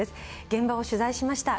現場を取材しました。